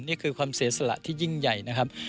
นี่คือความเสียสละที่ยิ่งใหญ่นะครับ